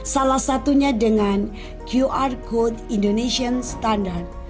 salah satunya dengan qr code indonesian standard